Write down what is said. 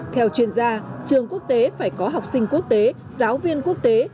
theo chuyên gia trường quốc tế phải có học sinh quốc tế giáo viên quốc tế